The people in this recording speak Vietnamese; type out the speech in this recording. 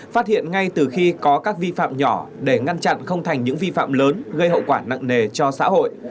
phát hiện ngay từ khi có các vi phạm nhỏ để ngăn chặn không thành những vi phạm lớn gây hậu quả nặng nề cho xã hội